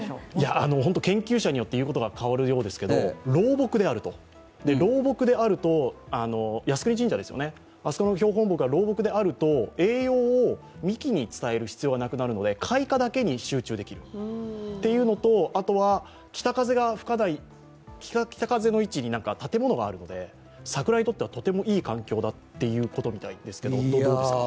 研究者によって言うことが変わるようですけど、靖国神社の標本木は老木であると栄養を幹に伝える必要がなくなるので開花だけに集中できるというのとあとは北風の位置に建物があるので、桜にとってはとてもいい環境だということみたいですけど、どうですか？